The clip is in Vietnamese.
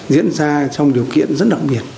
diễn ra trong điều kiện rất đặc biệt